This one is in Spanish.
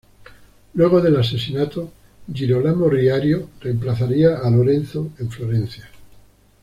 Luego del asesinato, Girolamo Riario reemplazaría a Lorenzo en Florencia.